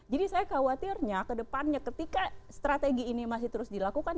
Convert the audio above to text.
jadi saya khawatirnya kedepannya ketika strategi ini masih terus dilakukan